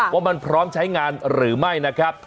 ว่ามันพร้อมใช้งานหรือไม่นะครับ